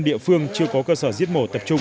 năm địa phương chưa có cơ sở giết mổ tập trung